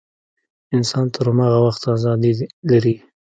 انسان تر هماغه وخته ازادي لري.